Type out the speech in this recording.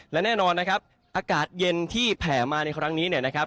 และแน่นอนนะครับอากาศเย็นที่แผ่มาในครั้งนี้เนี่ยนะครับ